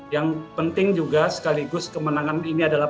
yang penting juga sekaligus kemenangan ini adalah